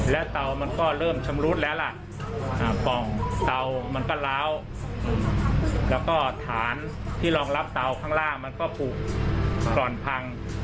แล้วก็ฐานที่รองรับเตาข้างล่างมันก็ปลูกก่อนพัง